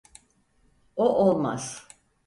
O olmaz!